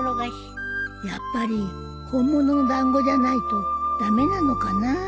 やっぱり本物のだんごじゃないと駄目なのかなあ。